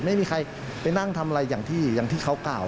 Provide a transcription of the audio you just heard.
ไม่มีใครไปนั่งทำอะไรอย่างที่เขากล่าว